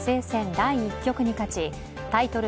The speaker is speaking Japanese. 第１局に勝ちタイトル